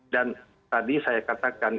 dan tadi saya katakan